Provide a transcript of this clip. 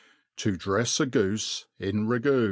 To drefs a Goofe in ragoo.